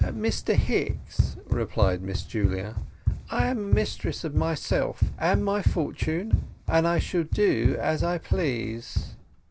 "Mr Hicks," replied Miss Julia, "I am mistress of myself and my fortune, and I shall do as I please."